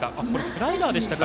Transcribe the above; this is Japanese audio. スライダーでしたか。